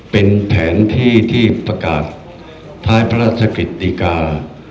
เป็นแผนที่ที่ประกาศท้ายพระราชกฤติกา